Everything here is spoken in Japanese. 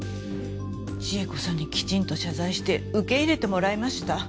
千恵子にきちんと謝罪して受け入れてもらいました。